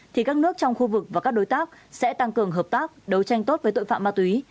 thì các nước trong khu vực và các đối tác sẽ tăng cường hợp tác đấu tranh tốt với tội phạm ma túy